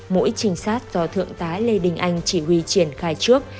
mũi trình sát do thượng tá lê đình anh chỉ huy triển khai trước